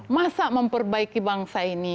masa memperbaiki bangsa ini